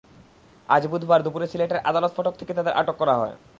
অাজ বুধবার দুপুরে সিলেটের আদালত ফটক থেকে তাদের আটক করা হয়।